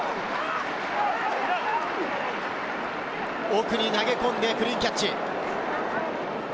奥に投げ込んでクリーンキャッチ。